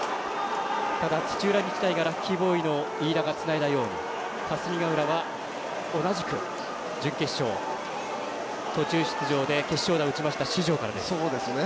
ただ土浦日大がラッキーボーイの飯田がつないだように霞ヶ浦は同じく準決勝途中出場で決勝打を打ちました四條からです。